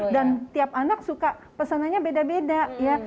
dan tiap anak suka pesannya beda beda ya